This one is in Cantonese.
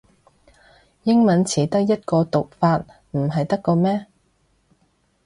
英文詞得一個讀法唔係得咖咩